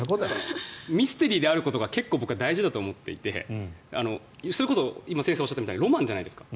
ミステリーであることが結構、大事だと思っていてそれこそ今先生がおっしゃったようにロマンじゃないですか。